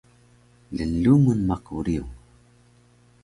Lnlungun maku riyung